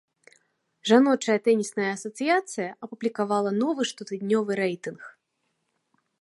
Жаночая тэнісная асацыяцыя апублікавала новы штотыднёвы рэйтынг.